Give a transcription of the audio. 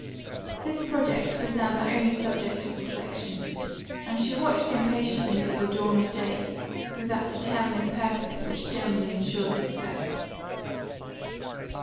This project was now the only subject of reflection; and she watched impatiently for the dawn of day, with that determinate purpose which generally insures success.